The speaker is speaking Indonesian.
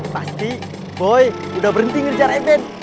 pasti boy udah berhenti ngejar even